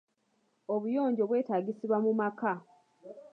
Obuyonjo bwetagisibwa mu maka.